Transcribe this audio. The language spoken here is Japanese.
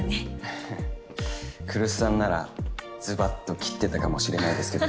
ははっ来栖さんならずばっと斬ってたかもしれないですけどね。